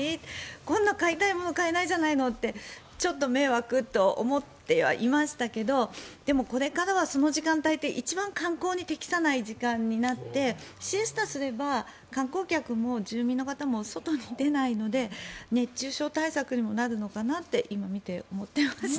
こんなの買いたいもの買えないじゃないのってちょっと迷惑と思ってはいましたけどでもこれからはその時間帯って一番観光に適さない時間帯になってシエスタすれば観光客も住民の方も外に出ないので熱中症対策にもなるのかなって今見て思っていました。